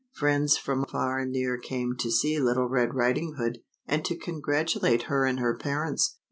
Friends from far and near came to see Little Red Riding Hood, and to congratulate her and her parents.